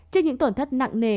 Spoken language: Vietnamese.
trên những tổn thất nặng nề